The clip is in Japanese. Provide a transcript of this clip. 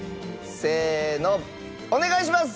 せーのお願いします！